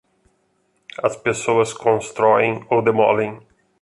As pessoas constroem ou demolem.